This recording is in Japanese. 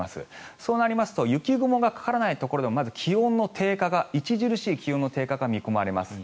そうなりますと雪雲がかからないところでも著しい気温の低下が見込まれます。